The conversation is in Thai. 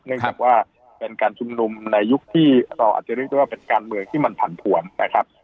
จากว่าเป็นการชุมนุมในยุคที่เราอาจจะเรียกได้ว่าเป็นการเมืองที่มันผันผวนนะครับ